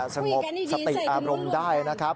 สงบสติอารมณ์ได้นะครับ